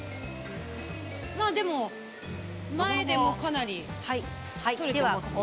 まあでも前でもかなり取れてますね。